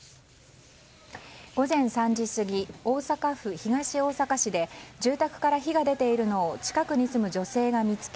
午前３時過ぎ、大阪府東大阪市で住宅から火が出ているのを近くに住む女性が見つけ